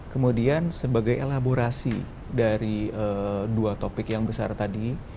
kemudian sebagai elaborasi dari dua topik yang besar tadi